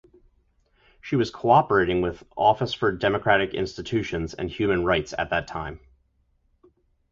She was cooperating with Office for Democratic Institutions and Human Rights at that time.